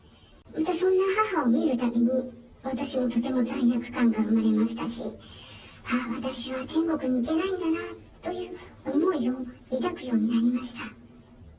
そんな母を見るたびに、私もとても罪悪感が生まれましたし、ああ、私は天国に行けないんだなという思いを抱くようになりました。